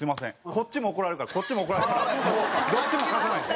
こっちも怒られるからこっちも怒られるからもうどっちも貸さない。